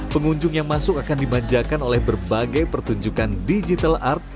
pengunjung yang masuk akan dimanjakan oleh berbagai pertunjukan digital art